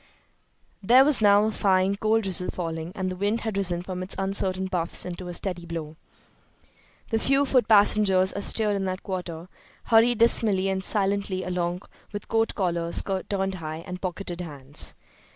There was now a fine, cold drizzle falling, and the wind had risen from its uncertain puffs into a steady blow. The few foot passengers astir in that quarter hurried dismally and silently along with coat collars turned high and pocketed hands.